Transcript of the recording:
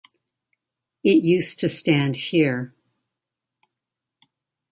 It used to stand here.